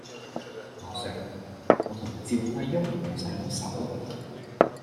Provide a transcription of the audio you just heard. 我想：我同趙貴翁有什麼讎，